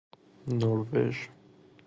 نروژ